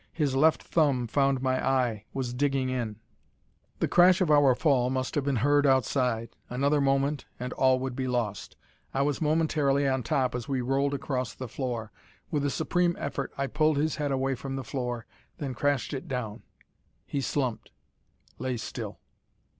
His left thumb found my eye, was digging in. The crash of our fall must have been heard outside; another moment and all would be lost. I was momentarily on top as we rolled across the floor. With a supreme effort I pulled his head away from the floor, then crashed it down. He slumped; lay still.